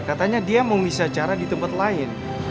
katanya dia mau wisacara di tempat lain